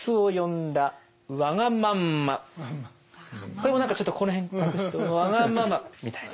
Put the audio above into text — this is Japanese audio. これも何かちょっとここら辺隠すとわがままみたいな。